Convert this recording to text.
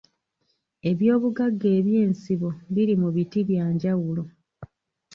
Eby'obugagga eby'ensibo biri mu biti bya njawulo